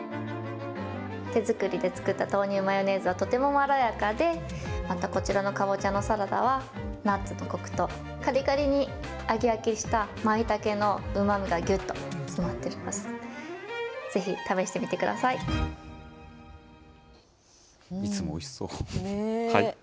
手作りで作った豆乳マヨネーズはとてもまろやかで、またこちらのかぼちゃのサラダは、ナッツのこくと、かりかりに揚げ焼きしたまいたけのうまみがぎゅっと詰まっておりいつもおいしそう。